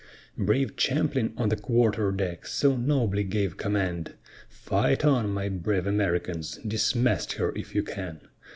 Brave Champlin on the quarter deck so nobly gave command: "Fight on, my brave Americans, dismast her if you can."